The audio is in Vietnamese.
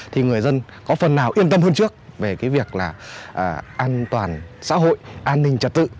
thì người dân có phần nào yên tâm hơn trước về cái việc là an toàn xã hội an ninh trật tự